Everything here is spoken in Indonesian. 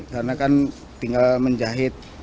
karena kan tinggal menjahit